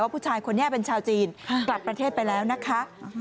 ผู้ชายคนนี้เป็นชาวจีนกลับประเทศไปแล้วนะคะ